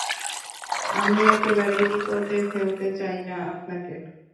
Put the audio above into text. আমি একেবারেই বিপদে ফেলতে চাই না আপনাকে।